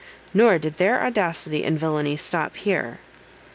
Nor did their audacity and villany stop here.